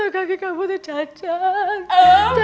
kaki kamu teh cacat